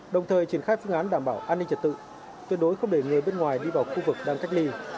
đồng thời triển khai phương án đảm bảo an ninh trật tự tuyệt đối không để người bên ngoài đi vào khu vực đang cách ly